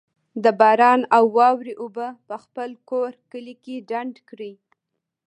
د باران او واورې اوبه په خپل کور، کلي کي ډنډ کړئ